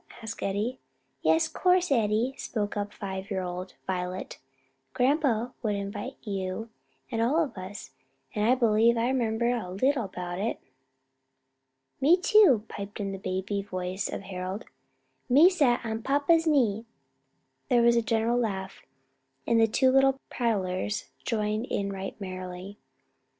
asked Eddie. "Yes, course, Eddie," spoke up five year old Violet, "grandpa would 'vite you and all of us; and I b'lieve I 'member a little about it." "Me too," piped the baby voice of Harold, "me sat on papa's knee." There was a general laugh, the two little prattlers joining in right merrily.